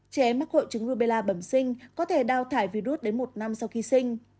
trẻ mắc hội chứng rubella bẩm sinh có thể đào thải virus đến một năm sau khi sinh